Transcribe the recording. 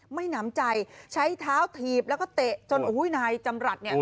หนำใจใช้เท้าถีบแล้วก็เตะจนโอ้โหนายจำรัฐเนี่ย